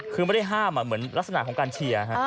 คือไม่ได้ห้ามเหมือนลักษณะของการเชียร์